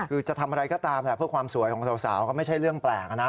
คือจะทำอะไรก็ตามแหละเพื่อความสวยของสาวก็ไม่ใช่เรื่องแปลกนะ